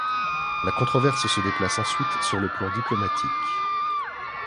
La controverse se déplace ensuite sur le plan diplomatique.